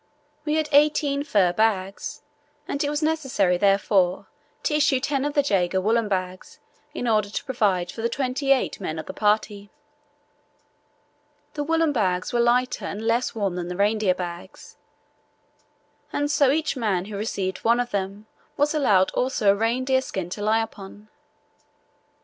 We had eighteen fur bags, and it was necessary, therefore, to issue ten of the Jaeger woollen bags in order to provide for the twenty eight men of the party. The woollen bags were lighter and less warm than the reindeer bags, and so each man who received one of them was allowed also a reindeer skin to lie upon.